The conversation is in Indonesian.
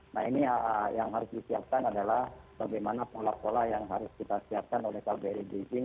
nah ini yang harus disiapkan adalah bagaimana pola pola yang harus kita siapkan oleh kbri beijing